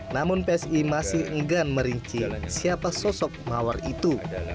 namun psi masih enggan merinci siapa sosok mawar itu